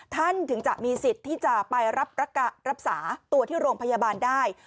ถึงจะมีสิทธิ์ที่จะไปรักษาตัวที่โรงพยาบาลได้